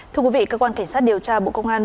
thưa quý vị cơ quan cảnh sát điều tra bộ công an